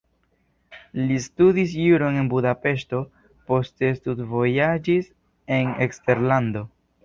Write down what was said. Li studis juron en Budapeŝto, poste studvojaĝis en eksterlando.